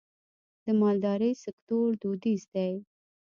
د مالدارۍ سکتور دودیز دی